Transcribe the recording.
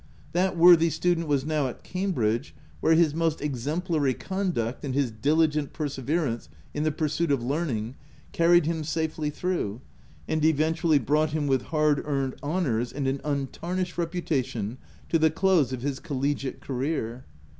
That worthy student: was now at Cambridge, where his most exemplary con duct and his diligent perseverance in the pur suit of learning carried him safely through, and eventually brought him with hard earned ho nours and an untarnished reputation, to the close of his collegiate career.